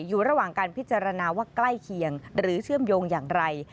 อยู่ระหว่างการพิจารณาว่าใกล้เคียงหรือเชื่อมโยงอย่างไร